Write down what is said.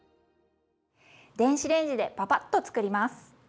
電子レンジでパパッと作ります。